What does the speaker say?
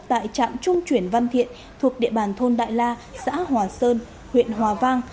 tại trạm trung chuyển văn thiện thuộc địa bàn thôn đại la xã hòa sơn huyện hòa vang